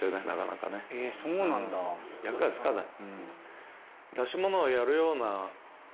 役がつかない。